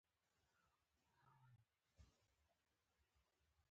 کړاوونه به زغمو.